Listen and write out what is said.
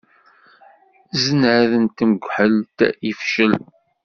Zznad n tmekḥelt ifcel.